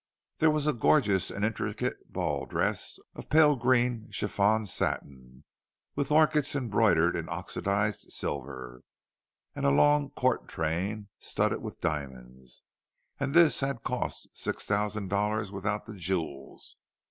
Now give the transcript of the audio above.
There was a gorgeous and intricate ball dress of pale green chiffon satin, with orchids embroidered in oxidized silver, and a long court train, studded with diamonds—and this had cost six thousand dollars without the jewels!